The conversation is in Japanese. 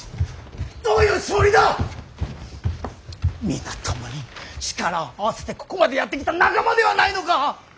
皆共に力を合わせてここまでやってきた仲間ではないのか。